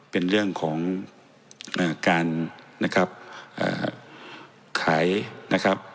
เป็นเรื่องของเอ่อการนะครับเอ่อขายนะครับ